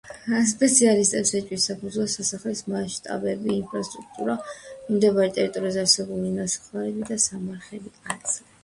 სპეციალისტებს ეჭვის საფუძველს სასახლის მასშტაბები, ინფრასტრუქტურა, მიმდებარე ტერიტორიაზე არსებული ნასახლარები და სამარხები აძლევს.